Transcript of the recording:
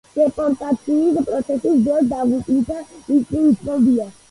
დეპორტაციის პროცესის დროს დაღუპულთა რიცხვი უცნობია.